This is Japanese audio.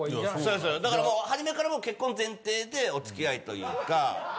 初めからもう結婚前提でお付き合いというか。